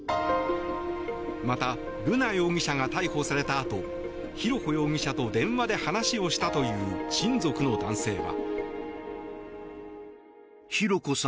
また瑠奈容疑者が逮捕されたあと浩子容疑者と電話で話をしたという親族の男性は。